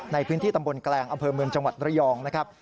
ในพื้นที่ตำบลแกลงอำเภอเมืองจังหวัดระยองนะครับ